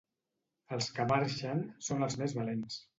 Els que marxen són els més valents.